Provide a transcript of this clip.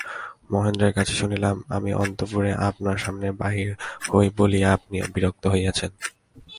মহেন্দ্রের কাছে শুনিলাম, আমি অন্তঃপুরে আপনার সামনে বাহির হই বলিয়া আপনি বিরক্ত হইয়াছেন।